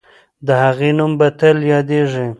د هغې نوم به تل یادېږي.